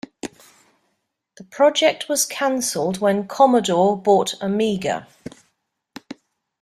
The project was cancelled when Commodore bought Amiga.